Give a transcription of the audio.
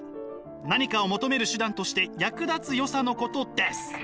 何かを求める手段として役立つよさのことです。